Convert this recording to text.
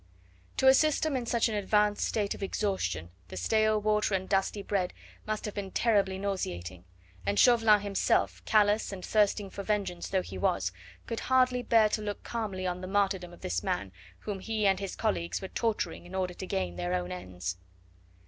To a system in such an advanced state of exhaustion the stale water and dusty bread must have been terribly nauseating, and Chauvelin himself callous and thirsting for vengeance though he was, could hardly bear to look calmly on the martyrdom of this man whom he and his colleagues were torturing in order to gain their own ends.